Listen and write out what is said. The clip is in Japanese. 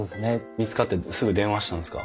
見つかってすぐ電話したんですか？